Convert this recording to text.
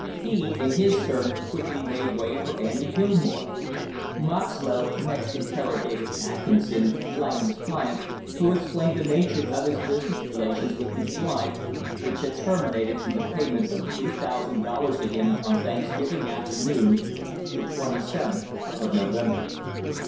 He, in his turn, quickly made way for Andy Gilmore. Moxlow next interrogated Atkinson, Langham's client, who explained the nature of his business relations with McBride which had terminated in the payment of three thousand dollars to him on Thanksgiving afternoon, the twenty seventh of November.